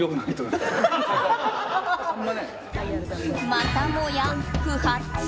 またもや不発。